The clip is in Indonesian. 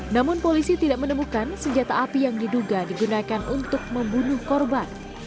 namun polisi tidak menemukan senjata api yang diduga digunakan untuk membunuh korban